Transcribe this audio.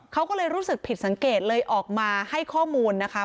เขาก็เลยรู้สึกผิดสังเกตเลยออกมาให้ข้อมูลนะคะ